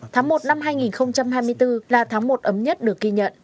tháng một năm hai nghìn hai mươi bốn là tháng một ấm nhất được ghi nhận